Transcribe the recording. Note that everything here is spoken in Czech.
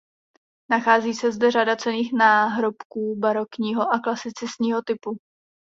Nachází se zde řada cenných náhrobků barokního a klasicistního typu.